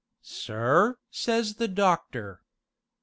'Sir?' says the doctor.